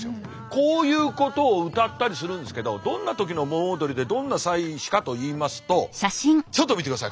こういうことを歌ったりするんですけどどんな時の盆踊りでどんな祭祀かといいますとちょっと見てください。